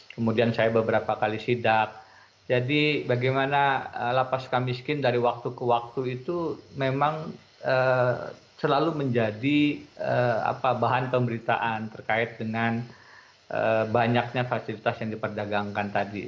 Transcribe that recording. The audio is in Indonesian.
kemudian saya beberapa kali sidak jadi bagaimana lapas suka miskin dari waktu ke waktu itu memang selalu menjadi bahan pemberitaan terkait dengan banyaknya fasilitas yang diperdagangkan tadi